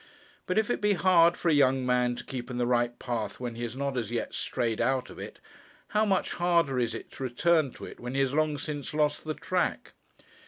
But if it be hard for a young man to keep in the right path when he has not as yet strayed out of it, how much harder is it to return to it when he has long since lost the track!